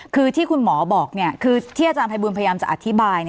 คือที่คุณหมอบอกคือที่อาจารย์ภัยบูลพยายามจะอธิบาย